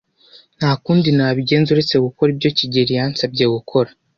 Nta kundi nabigenza uretse gukora ibyo kigeli yansabye gukora.